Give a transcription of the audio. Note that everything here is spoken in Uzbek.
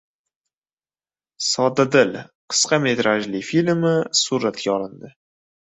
“Soddadil” qisqa metrajli filmi suratga olindi